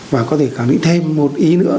và có thể cảm nhận thêm một ý nữa